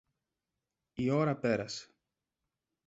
Η ώρα πέρασε.